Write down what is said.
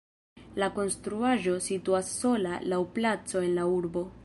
La konstruaĵo situas sola laŭ placo en la urbo.